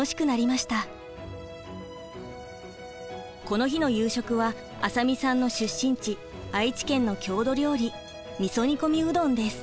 この日の夕食は浅見さんの出身地愛知県の郷土料理みそ煮込みうどんです。